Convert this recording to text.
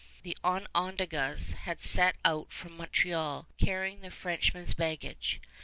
The Onondagas had set out from Montreal carrying the Frenchmen's baggage.